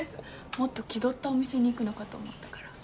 もっと気取ったお店に行くのかと思ったから。